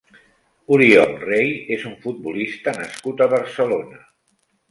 Oriol Rey és un futbolista nascut a Barcelona.